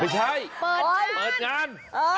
ไม่ใช่เปิดงาน